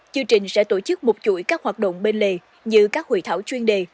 chương trình sẽ tổ chức một chuỗi các hoạt động bên lề như các hội thảo chuyên đề